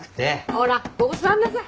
ほらここ座んなさい。